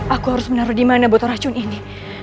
aku harus menaruh di mana botol racun ini